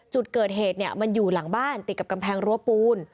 จุดเกิดเหตุมันอยู่หลังบ้านติดกับกำแพงรั้วปูน